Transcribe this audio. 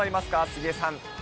杉江さん。